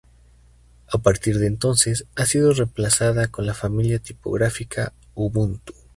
A partir de entonces, ha sido reemplazada con la familia tipográfica Ubuntu.